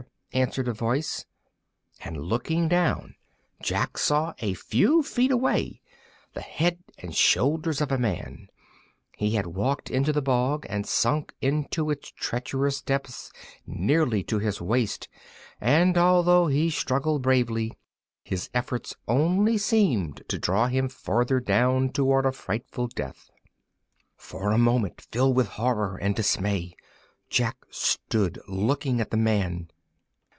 answered a voice, and, looking down, Jack saw, a few feet away, the head and shoulders of a man. He had walked into the bog and sunk into its treacherous depths nearly to his waist, and, although he struggled bravely, his efforts only seemed to draw him farther down toward a frightful death. For a moment, filled with horror and dismay, Jack stood looking at the man.